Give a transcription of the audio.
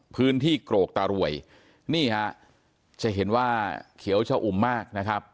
พื้นที่โกรกตารวยนี่ค่ะจะเห็นว่าเขียวเช่าอุ่มมากนะครับ